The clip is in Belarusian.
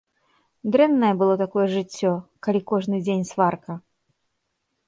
Дрэннае было такое жыццё, калі кожны дзень сварка?